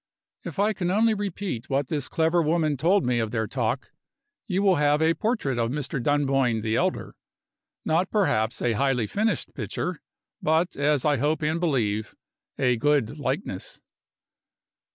If I can only repeat what this clever woman told me of their talk, you will have a portrait of Mr. Dunboyne the elder not perhaps a highly finished picture, but, as I hope and believe, a good likeness.